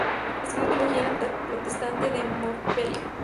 Estudió teología en la Facultad Protestante de Montpellier.